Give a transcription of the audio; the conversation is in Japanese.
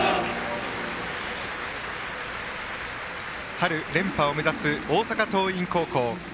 春連覇を目指す大阪桐蔭高校。